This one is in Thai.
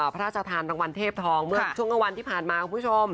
พระราชทานรางวัลเทพทองเมื่อช่วงกลางวันที่ผ่านมาคุณผู้ชม